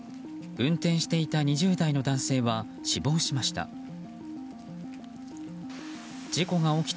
運転していた２０代の男性は死亡しました。